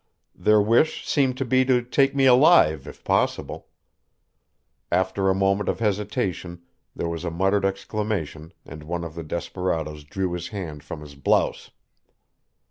Their wish seemed to be to take me alive if possible. After a moment of hesitation there was a muttered exclamation and one of the desperadoes drew his hand from his blouse.